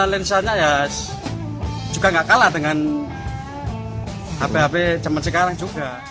lensanya ya juga gak kalah dengan hp hp zaman sekarang juga